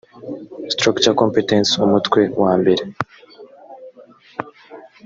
structure competence umutwe wambere